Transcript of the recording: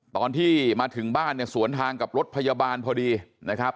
ตอนที่มาถึงบ้านเนี่ยสวนทางกับรถพยาบาลพอดีนะครับ